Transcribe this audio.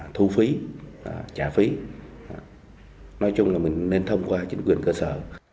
thu phí trả phí nói chung là mình nên thông qua chính quyền cơ sở